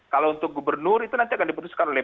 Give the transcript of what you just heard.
kalau untuk gubernur itu nanti akan diputuskan oleh